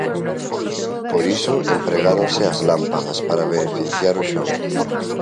Por iso empregáronse as lámpadas para beneficiar o xogo.